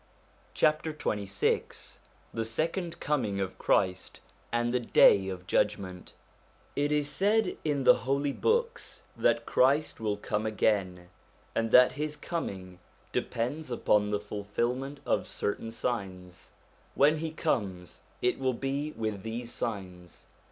XXVI THE SECOND COMING OF CHRIST AND THE DAY OF JUDGMENT IT is said in the Holy Books that Christ will come again, and that his coming depends upon the fulfilment of certain signs : when he comes it will be with these signs.